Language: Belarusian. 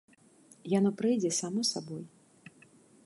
Яно прыйдзе само сабой.